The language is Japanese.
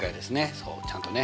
そうちゃんとね